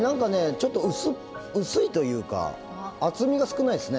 ちょっと薄いというか厚みが少ないですね。